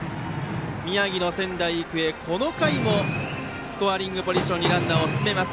宮城の仙台育英、この回もスコアリングポジションにランナーを進めます。